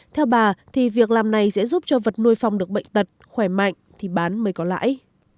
theo bà thì việc làm này sẽ giúp cho vật nuôi phòng được bệnh tật khỏe mạnh thì bán mới có lãi